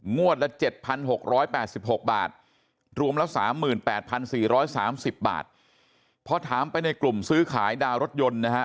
ละ๗๖๘๖บาทรวมละ๓๘๔๓๐บาทพอถามไปในกลุ่มซื้อขายดาวรถยนต์นะฮะ